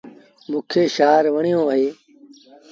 موݩ کي شآهر وهيٚڻون اهي